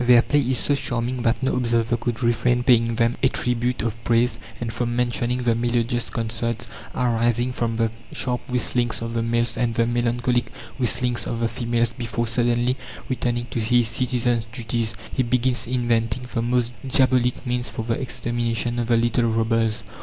Their play is so charming that no observer could refrain from paying them a tribute of praise, and from mentioning the melodious concerts arising from the sharp whistlings of the males and the melancholic whistlings of the females, before suddenly returning to his citizen's duties he begins inventing the most diabolic means for the extermination of the little robbers.